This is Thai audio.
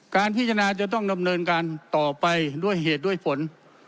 การพิจารณาจะต้องดำเนินการต่อไปด้วยเหตุด้วยผล